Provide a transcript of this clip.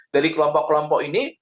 dari kelompok kelompok ini